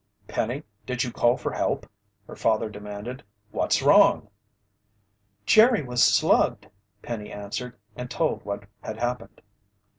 "Penny, did you call for help?" her father demanded. "What's wrong?" "Jerry was slugged," Penny answered, and told what had happened.